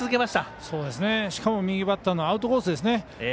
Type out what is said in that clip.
しかも右バッターのアウトコースですね。